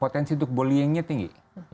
potensi untuk bullyingnya tinggi